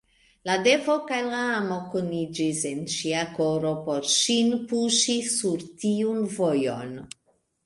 La devo kaj la amo kuniĝis en ŝia koro por ŝin puŝi sur tiun vojon.